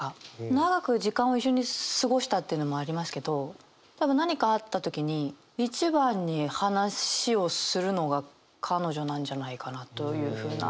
長く時間を一緒に過ごしたっていうのもありますけど多分何かあった時に一番に話をするのが彼女なんじゃないかなというふうな。